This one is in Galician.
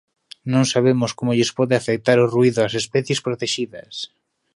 Non sabemos como lles pode afectar o ruído ás especies protexidas.